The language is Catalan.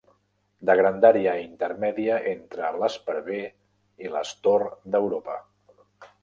De grandària intermèdia entre l'esparver i l'astor d'Europa.